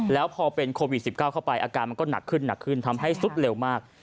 แล้วพอเป็นโควิด๑๙เข้าไปอาการมันก็หนักขึ้นหนักขึ้นทำให้สุดเร็วมาก